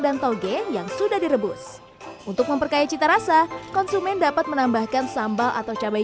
dan tauge yang sudah direbus untuk memperkaya cita rasa konsumen dapat menambahkan sambal atau cabai